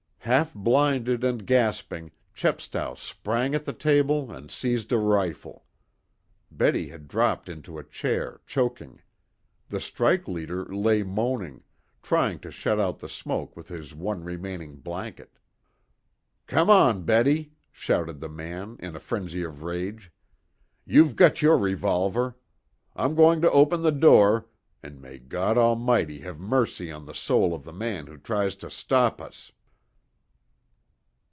Half blinded and gasping Chepstow sprang at the table and seized a rifle. Betty had dropped into a chair choking. The strike leader lay moaning, trying to shut out the smoke with his one remaining blanket. "Come on, Betty," shouted the man, in a frenzy of rage. "You've got your revolver. I'm going to open the door, and may God Almighty have mercy on the soul of the man who tries to stop us!"